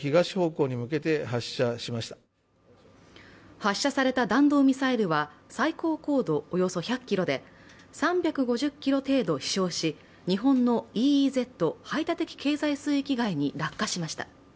発射された弾道ミサイルは最高硬度およそ１００ｋｍで３５０ｋｍ程度飛翔し、日本のＥＥＺ＝排他的経済水域外に落下しました。